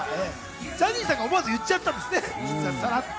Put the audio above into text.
ジャニーさんが思わず言っちゃったんですね。